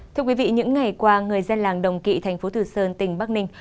thưa quý vị những ngày qua người dân làng đồng kỵ tp thừa sơn tỉnh bắc ninh